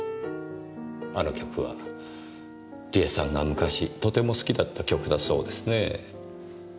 あの曲は梨絵さんが昔とても好きだった曲だそうですね。